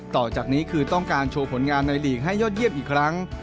ต่อจากนี้คือต้องการโชว์ผลงานในลีกให้ยอดเยี่ยมอีกครั้ง